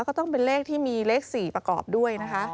ก็ต้องเป็นเลขที่มีเลข๔ประกอบด้วยนะคะ